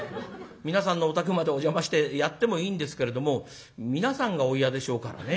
皆さんのお宅までお邪魔してやってもいいんですけれども皆さんがお嫌でしょうからね。